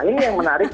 nah ini yang menarik